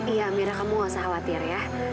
iya mira kamu gak usah khawatir ya